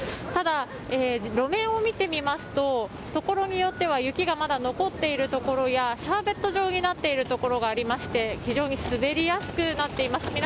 ただ、路面を見てみますとところによっては雪がまだ残っているところやシャーベット状になっているところがありまして非常に滑りやすくなっています。